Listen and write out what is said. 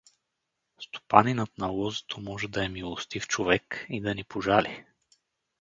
Стопанинът на лозето може да е милостив човек и да ни пожали.